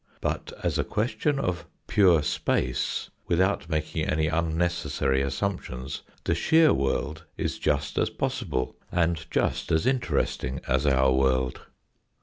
But as a ques tion of pure space without making any unnecessary assumptions the shear world is just as possible and just as interesting as our world.